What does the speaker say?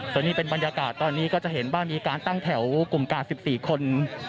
ส่วนนี้เป็นบรรยากาศตอนนี้ก็จะเห็นว่ามีการตั้งแถวกลุ่มกาด๑๔คน